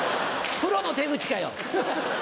プロの手口かよ。